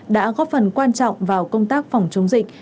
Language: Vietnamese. đã góp phần quan trọng vào công tác phòng chống dịch